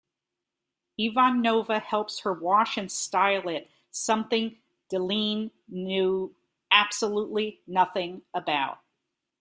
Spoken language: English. Ivanova helps her wash and style it, something Delenn knows absolutely nothing about.